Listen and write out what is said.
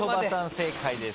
正解です。